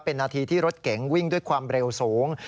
เป็นนาทีที่รถเก๋งวิ่งด้วยความเร็วสูง